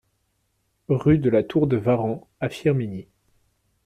Rue de la Tour de Varan à Firminy